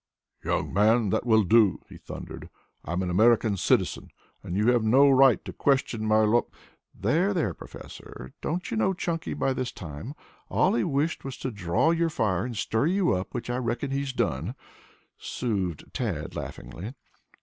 "Young man, that will do!" he thundered. "I am an American citizen, and you have no right to question my loy " "There, there, Professor, don't you know Chunky by this time? All he wished was to draw your fire and stir you up, which I reckon he's done," soothed Tad laughingly.